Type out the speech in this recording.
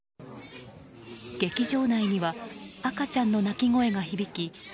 劇場内には赤ちゃんの泣き声が響き